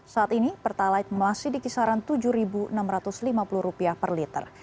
saat ini pertalite masih di kisaran rp tujuh enam ratus lima puluh per liter